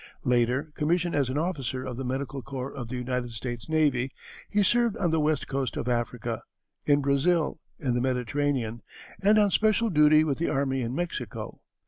Later, commissioned as an officer of the medical corps of the United States Navy, he served on the west coast of Africa, in Brazil, in the Mediterranean, and on special duty with the army in Mexico.